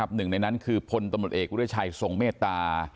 หนึ่งในนั้นคือพลตำรวจเอกวิทยาชัยทรงเมตตา